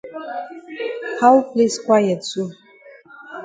How place quiet so?